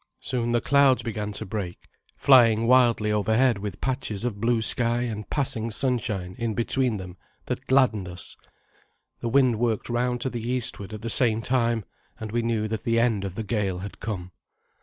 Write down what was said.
Soon the clouds began to break, flying wildly overhead with patches of blue sky and passing sunshine in between them that gladdened us. The wind worked round to the eastward at the same time, and we knew that the end of the gale had come.